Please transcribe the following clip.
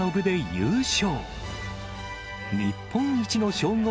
優勝！